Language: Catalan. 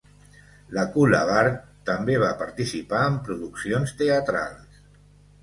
Lacoue-Labarthe també va participar en produccions teatrals.